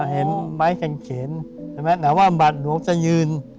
เห็นไม้กั่อนเฉียงแต่ว่าบาทหลวงจะยืน